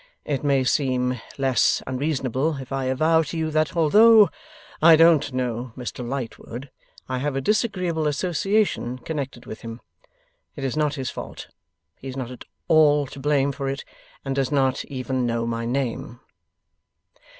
It may seem less unreasonable, if I avow to you that although I don't know Mr Lightwood, I have a disagreeable association connected with him. It is not his fault; he is not at all to blame for it, and does not even know my name.